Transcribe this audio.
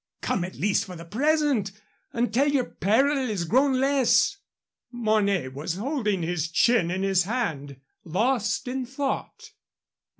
Come at least for the present, until yer peril is grown less." Mornay was holding his chin in his hand, lost in thought.